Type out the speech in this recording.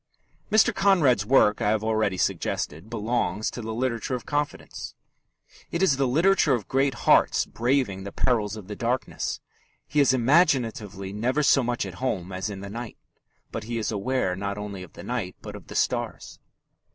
Mr. Conrad's work, I have already suggested, belongs to the literature of confidence. It is the literature of great hearts braving the perils of the darkness. He is imaginatively never so much at home as in the night, but he is aware not only of the night, but of the stars.